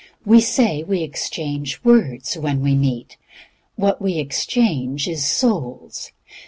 We say we exchange words when we meet; what we exchange is souls.